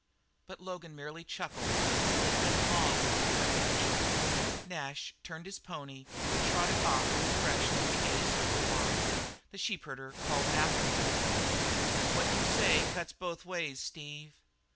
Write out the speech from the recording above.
But Logan merely chuckled wisely. He had been long on the range. As Nash turned his pony and trotted off in the direction of the A Circle Y ranch, the sheepherder called after him: "What you say cuts both ways, Steve.